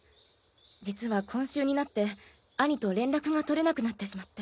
実は今週になって兄と連絡が取れなくなってしまって。